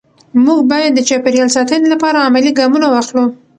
موږ باید د چاپېریال ساتنې لپاره عملي ګامونه واخلو